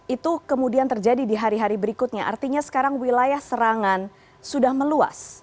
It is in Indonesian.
itu kemudian terjadi di hari hari berikutnya artinya sekarang wilayah serangan sudah meluas